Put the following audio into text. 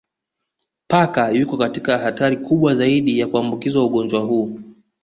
Paka yuko katika hatari kubwa zaidi ya kuambukizwa ugonjwa huu